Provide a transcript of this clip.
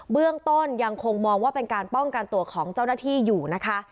เบื้องต้นยังคงมองว่าเป็นการป้องกันตัวของเจ้าหน้าที่อยู่นะคะ